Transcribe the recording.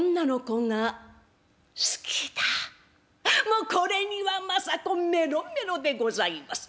もうこれには政子メロメロでございます。